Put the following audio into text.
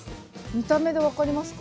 見た目で分かりますか？